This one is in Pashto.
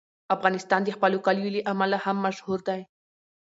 افغانستان د خپلو کلیو له امله هم مشهور دی.